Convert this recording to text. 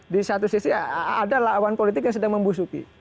di satu sisi ada lawan politik yang sedang membusuki